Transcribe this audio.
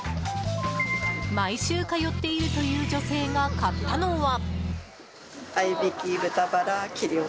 毎週通っているという女性が買ったのは。